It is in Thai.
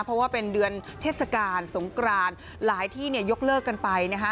เพราะว่าเป็นเดือนเทศกาลสงกรานหลายที่เนี่ยยกเลิกกันไปนะคะ